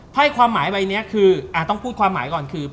ไพ่ความหมายใบนี้คือต้องพูดความหมายก่อนคือ